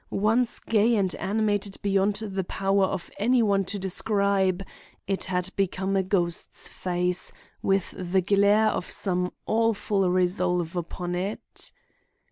Once gay and animated beyond the power of any one to describe, it had become a ghost's face, with the glare of some awful resolve upon it."